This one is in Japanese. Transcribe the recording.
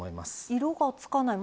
色がつかない。